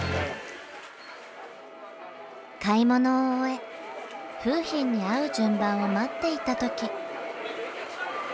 買い物を終え楓浜に会う順番を待っていた時。